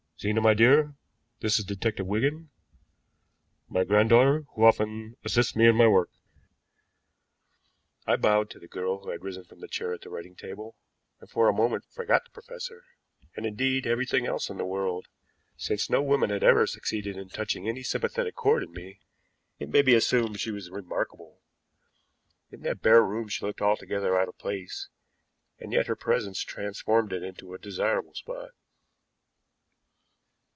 Zena, my dear, this is Detective Wigan my granddaughter who often assists me in my work." I bowed to the girl who had risen from the chair at the writing table, and for a moment forgot the professor and, indeed, everything else in the world. Since no woman had ever yet succeeded in touching any sympathetic chord in me, it may be assumed that she was remarkable. In that bare room she looked altogether out of place, and yet her presence transformed it into a desirable spot.